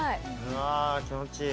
ああ気持ちいい。